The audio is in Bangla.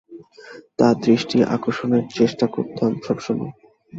তার দৃষ্টি আকর্ষণের চেষ্টা করতাম সবসময়।